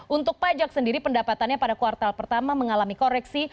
untuk pajak sendiri pendapatannya pada kuartal pertama mengalami koreksi